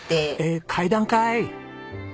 え階段かい！